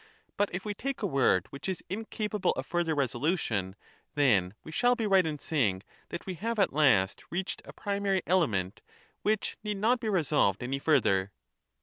But if we take a word which is incapable of further resolution, then we shall be right in saying that we have at last reached a primary element, which need not be resolved any further.